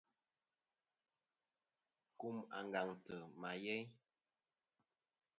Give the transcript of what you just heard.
Kum àngaŋtɨ ma yeyn.